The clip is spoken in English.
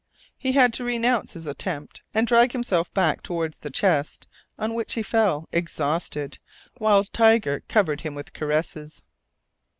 He had to renounce his attempt and drag himself back towards the chest, on which he fell, exhausted, while Tiger covered him with caresses.